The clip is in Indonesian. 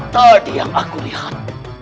tadi yang aku lihat